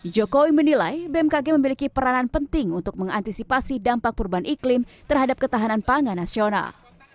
jokowi menilai bmkg memiliki peranan penting untuk mengantisipasi dampak perubahan iklim terhadap ketahanan pangan nasional